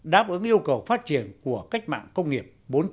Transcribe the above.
đáp ứng yêu cầu phát triển của cách mạng công nghiệp bốn